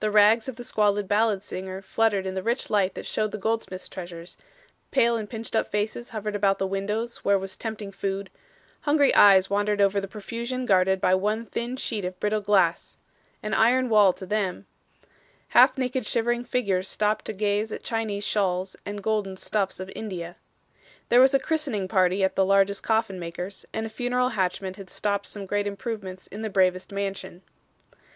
The rags of the squalid ballad singer fluttered in the rich light that showed the goldsmith's treasures, pale and pinched up faces hovered about the windows where was tempting food, hungry eyes wandered over the profusion guarded by one thin sheet of brittle glass an iron wall to them; half naked shivering figures stopped to gaze at Chinese shawls and golden stuffs of India. There was a christening party at the largest coffin maker's and a funeral hatchment had stopped some great improvements in the bravest mansion.